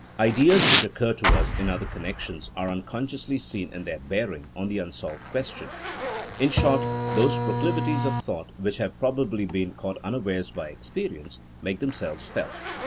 Ideas which occur to us in other connections are unconsciously seen in their bearing on the unsolved question. In short, *' those proclivi ties of thought which have probably been caused unawares by experience*' make them selves felt.